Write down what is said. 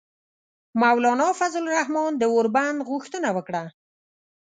مولانا فضل الرحمان د اوربند غوښتنه وکړه.